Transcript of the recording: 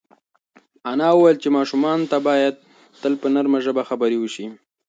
انا وویل چې ماشوم ته باید تل په نرمه ژبه خبرې وشي.